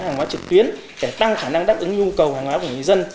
hàng hóa trực tuyến để tăng khả năng đáp ứng nhu cầu hàng hóa của người dân